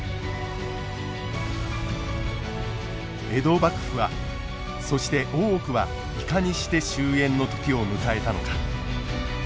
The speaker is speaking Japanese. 江戸幕府はそして大奥はいかにして終えんの時を迎えたのか。